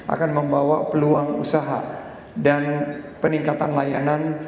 akan membawa peluang usaha dan peningkatan layanan